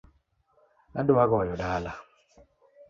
Adwa goyo dala